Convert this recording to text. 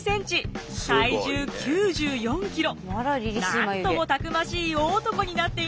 なんともたくましい大男になっていました。